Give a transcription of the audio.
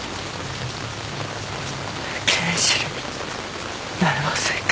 刑事になれませんか？